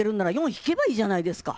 引けばいいじゃないですか。